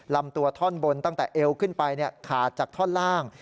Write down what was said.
ลำตัวท่อนบนตั้งแต่เอวขึ้นไปขาดจากท่อนล่าง